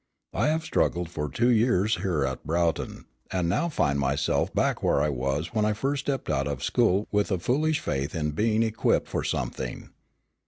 I have struggled for two years here at Broughton, and now find myself back where I was when I first stepped out of school with a foolish faith in being equipped for something.